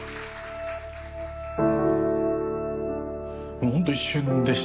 もうほんと一瞬でしたね。